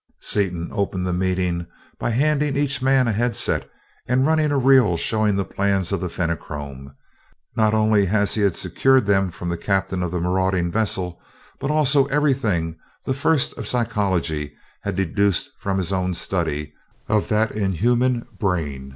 Seaton opened the meeting by handing each man a headset and running a reel showing the plans of the Fenachrone; not only as he had secured them from the captain of the marauding vessel, but also everything the First of Psychology had deduced from his own study of that inhuman brain.